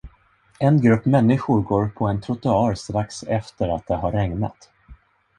En grupp människor går på en trottoar strax efter att det har regnat.